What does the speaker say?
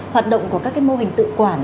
hoạt động của các mô hình tự quản